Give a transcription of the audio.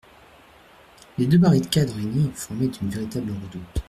Les deux barricades réunies formaient une véritable redoute.